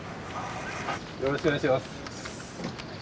よろしくお願いします。